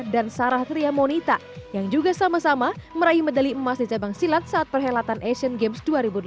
dan sarah triamonita yang juga sama sama meraih medali emas di cabang silat saat perhelatan asian games dua ribu delapan belas